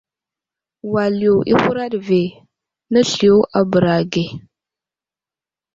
Wal yo i huraɗ ve, nəsliyo a bəra ge.